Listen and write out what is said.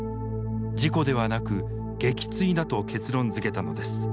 「事故ではなく撃墜だ」と結論づけたのです。